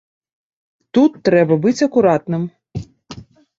Тут трэба быць акуратным.